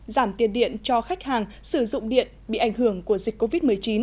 giảm tiền điện cho khách hàng sử dụng điện bị ảnh hưởng của dịch covid một mươi chín